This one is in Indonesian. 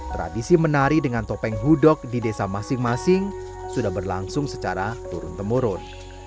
tradisi menari dengan topeng hudok di desa masing masing sudah berlangsung secara turun temurun